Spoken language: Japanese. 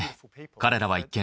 彼らは一見。